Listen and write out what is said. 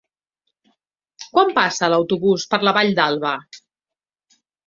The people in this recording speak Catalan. Quan passa l'autobús per la Vall d'Alba?